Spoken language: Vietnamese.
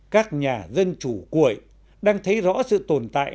các nhà dân chủ cuội đang thấy rõ sự tồn tại